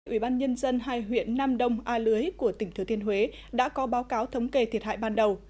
ủy ban nhân dân hai huyện nam đông a lưới của tỉnh thừa thiên huế đã có báo cáo thống kê thiệt hại ban đầu